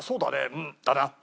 うんだな！」。